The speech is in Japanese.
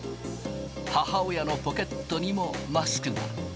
母親のポケットにもマスクが。